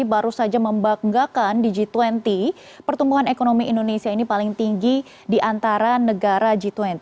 baru saja membanggakan di g dua puluh pertumbuhan ekonomi indonesia ini paling tinggi di antara negara g dua puluh